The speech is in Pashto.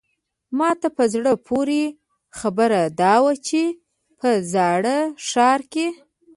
ماته په زړه پورې خبره دا وه چې په زاړه ښار کې.